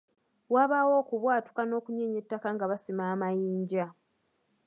Wabaawo okubwatuka n'okunyeenya ettaka nga basima amayinja.